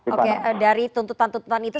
oke dari tuntutan tuntutan itu